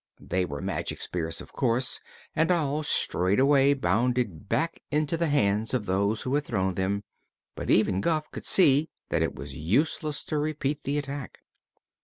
They were magic spears, of course, and all straightway bounded back into the hands of those who had thrown them, but even Guph could see that it was useless to repeat the attack.